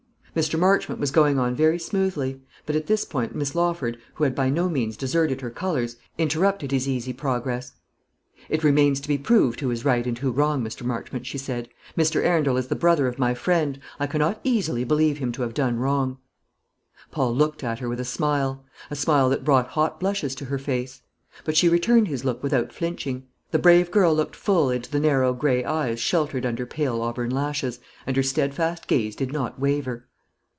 Mr. Marchmont was going on very smoothly; but at this point Miss Lawford, who had by no means deserted her colours, interrupted his easy progress. "It remains to be proved who is right and who wrong, Mr. Marchmont," she said. "Mr. Arundel is the brother of my friend. I cannot easily believe him to have done wrong." Paul looked at her with a smile a smile that brought hot blushes to her face; but she returned his look without flinching. The brave girl looked full into the narrow grey eyes sheltered under pale auburn lashes, and her steadfast gaze did not waver.